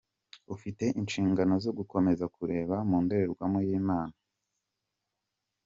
Ufite inshingano zo gukomeza kureba mu ndorerwamo y'Imana.